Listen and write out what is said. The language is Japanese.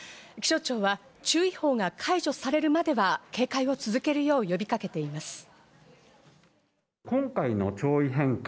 気象庁は、注意報が解除されるまでは警戒を続けるよう呼びかけています。